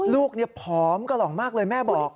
ลูกผอมกะหล่องมากเลยแม่บอก